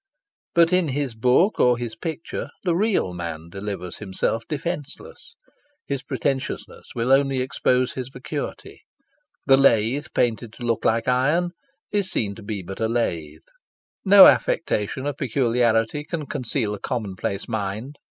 But in his book or his picture the real man delivers himself defenceless. His pretentiousness will only expose his vacuity. The lathe painted to look like iron is seen to be but a lathe. No affectation of peculiarity can conceal a commonplace mind.